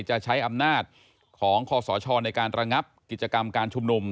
จะใช้อำนาจของคศในการระงับกิจกรรมการชุมนุม